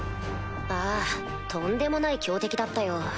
ああとんでもない強敵だったよ。